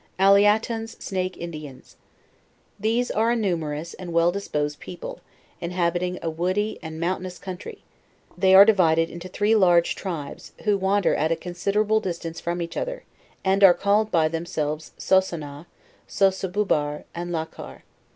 ALIATONS SNAKE INDIANS. These are o numerous^ and well disposed people, inhabiting ft woody and mountainous 140 JOURNAL OF country; they are divided into three large trribes, who wan der at a considerable distance frdm each other, and are 'called by themselves So so na, So so'bubar, and La kar.